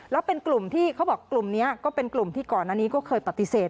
แล้วเป็นกลุ่มที่เขาบอกกลุ่มนี้ก็เป็นกลุ่มที่ก่อนอันนี้ก็เคยปฏิเสธ